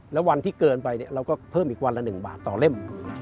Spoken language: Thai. แล้ววันที่เกินไปเราก็เพิ่มอีกวันละ๑บาทต่อเล่ม